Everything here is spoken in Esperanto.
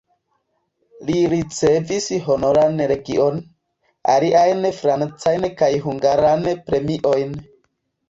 Li ricevis Honoran legion, aliajn francajn kaj hungaran premiojn.